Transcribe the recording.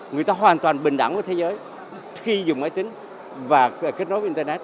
người ta hoàn toàn bình đẳng với thế giới khi dùng máy tính và kết nối internet